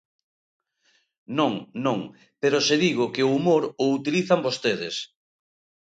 Non, non, pero se digo que o humor o utilizan vostedes.